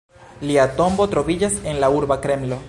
Lia tombo troviĝas en la urba Kremlo.